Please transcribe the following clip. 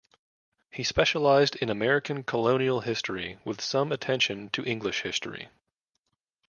He specialized in American colonial history, with some attention to English history.